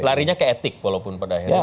larinya ke etik walaupun pada akhirnya